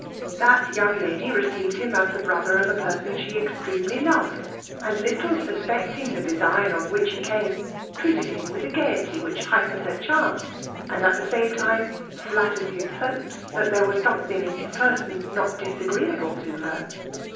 That young lady received him as the brother of a person she extremely loved; and little suspecting the design on which he came, treated him with a gaity which heightened her charms, and at the same time flattered his hopes, that there was something in his person not disagreeable to her.